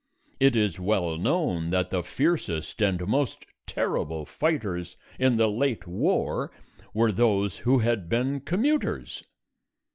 It is well known that the fiercest and most terrible fighters in the late war were those who had been commuters.